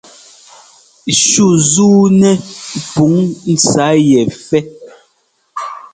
Shú zúunɛ́ pǔn ntsá yɛ fɛ́.